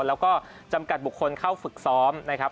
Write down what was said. แล้วก็จำกัดบุคคลเข้าฝึกซ้อมนะครับ